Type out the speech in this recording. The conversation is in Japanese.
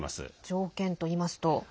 条件といいますと？